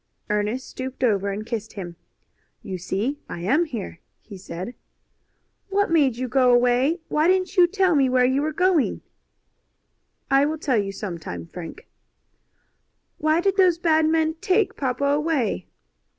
Ernest stooped over and kissed him. "You see I am here," he said. "What made you go away? Why didn't you tell me you were going?" "I will tell you some time, Frank." "Why did those bad men take papa away?"